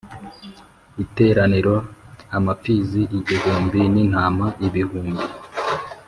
Iteraniro amapfizi igihumbi n intama ibihumbi